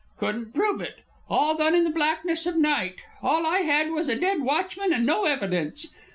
Couldn't prove it. All done in the blackness of night. All I had was a dead watchman and no evidence.